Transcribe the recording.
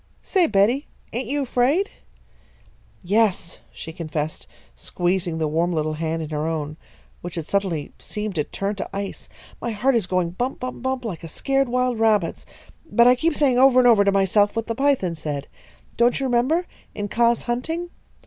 "Say, Betty, ain't you afraid?" "Yes," she confessed, squeezing the warm little hand in her own, which had suddenly seemed to turn to ice. "My heart is going bump bump bump like a scared wild rabbit's; but I keep saying over and over to myself what the python said. Don't you remember in Kaa's hunting?